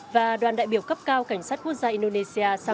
và đoàn đại biểu cấp cao cảnh sát quốc gia indonesia